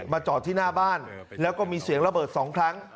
จอดที่หน้าบ้านแล้วก็มีเสียงระเบิด๒ครั้ง